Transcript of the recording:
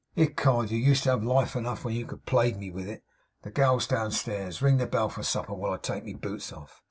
Ecod, you used to have life enough, when you could plague me with it. The gal's downstairs. Ring the bell for supper, while I take my boots off!